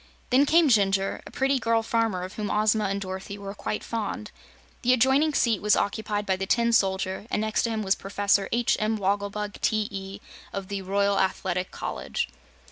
Then came Jinjur, a pretty girl farmer of whom Ozma and Dorothy were quite fond. The adjoining seat was occupied by the Tin Soldier, and next to him was Professor H. M. Wogglebug, T.E., of the Royal Athletic College.